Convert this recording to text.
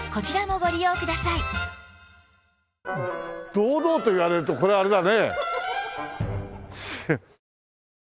堂々と言われるとこれあれだね。